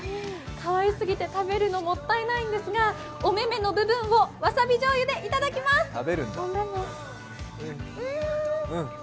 かわいすぎて、食べるのもったいないんですが、おめめの部分をわさびじょうゆでいただきます。